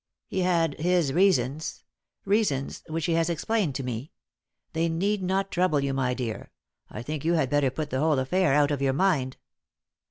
"He had his reasons reasons, which he has explained to me. They need not trouble you, my dear. I think you had better put the whole affair out of your mind."